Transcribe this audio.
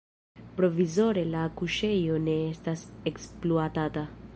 Provizore la kuŝejo ne estas ekspluatata.